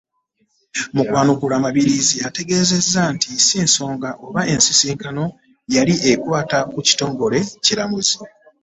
Mu kwanukula Mabirizi ategeezezza nti si nsonga oba ensisikano yali ekwata ku kitongole kiramuzi